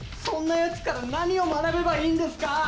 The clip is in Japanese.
そんなやつから何を学べばいいんですか！？